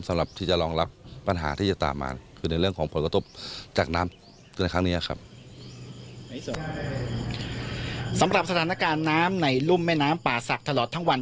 สำหรับสถานการณ์น้ำในรุ่มแม่น้ำป่าศักดิ์ตลอดทั้งวัน